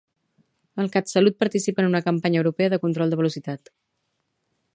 El CatSalut participa en una campanya europea de control de velocitat.